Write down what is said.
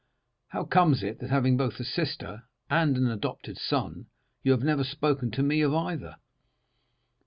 How comes it, that having both a sister and an adopted son, you have never spoken to me of either?"